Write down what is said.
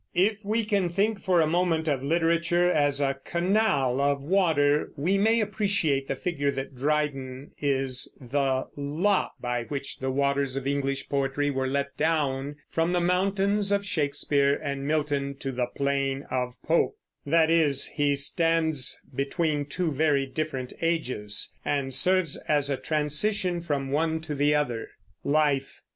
If we can think for a moment of literature as a canal of water, we may appreciate the figure that Dryden is the "lock by which the waters of English poetry were let down from the mountains of Shakespeare and Milton to the plain of Pope"; that is, he stands between two very different ages, and serves as a transition from one to the other. LIFE.